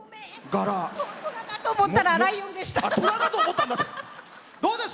虎かと思ったらライオンでした。